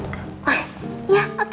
oke baik mbak marina